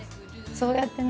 そうやってね